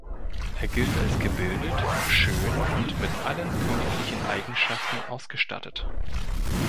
Er gilt als gebildet, schön und mit allen königlichen Eigenschaften ausgestattet.